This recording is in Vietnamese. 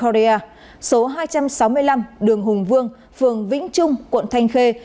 số hai trăm sáu mươi năm đường hùng vương phường vĩnh trung quận thanh khê